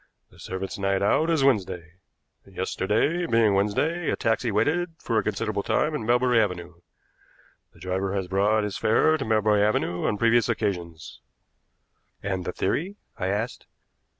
The servant's night out is Wednesday. Yesterday, being Wednesday, a taxi waited for a considerable time in Melbury Avenue. The driver has brought his fare to Melbury Avenue on previous occasions." "And the theory?" I asked.